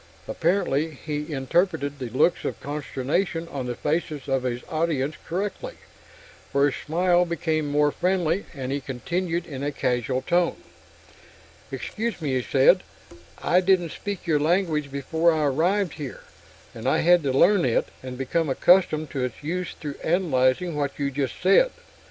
Apparently he interpreted the looks of consternation on the faces of his audience correctly, for his smile became more friendly and he continued in a casual tone. "Excuse me," he said. "I didn't speak your language before I arrived here, and I had to learn it and become accustomed to its use through analyzing what you just said.